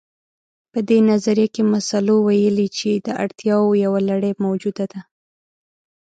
په دې نظريه کې مسلو ويلي چې د اړتياوو يوه لړۍ موجوده ده.